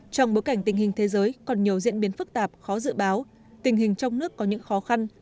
trong bối cảnh tình hình thế giới còn nhiều diễn biến phức tạp khó dự báo tình hình trong nước có những khó khăn